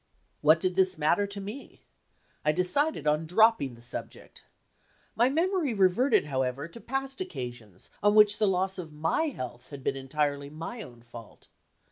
What did this matter to me? I decided on dropping the subject. My memory reverted, however, to past occasions on which the loss of my health had been entirely my own fault.